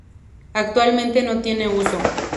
Actualmente no tiene uso.